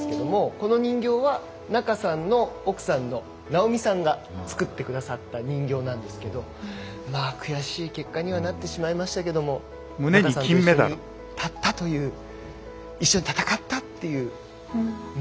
この人形は仲さんの奥さんの奈生美さんが作ってくださった人形なんですけど悔しい結果にはなってしまいましたけども仲さんと一緒に立ったという一緒に戦ったという。